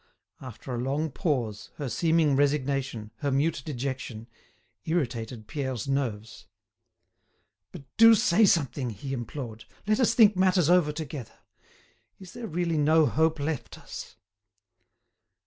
After a long pause, her seeming resignation, her mute dejection, irritated Pierre's nerves. "But do say something!" he implored; "let us think matters over together. Is there really no hope left us?"